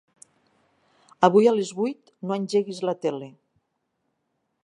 Avui a les vuit no engeguis la tele.